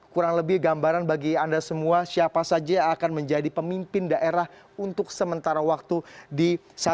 kurang lebih gambaran bagi anda semua siapa saja yang akan menjadi pemimpin daerah untuk sementara waktu di satu dua tiga empat lima enam tujuh